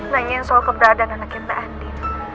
nanyain soal keberadaan anaknya mbak andi